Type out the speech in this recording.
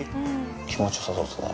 気持ちよさそうですね。